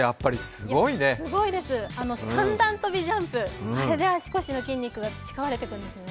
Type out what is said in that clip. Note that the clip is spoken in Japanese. すごいです、三段跳びジャンプ、あれで足腰が培われていくんですね。